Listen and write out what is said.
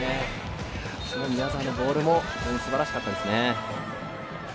宮澤のボールもすばらしかったですね。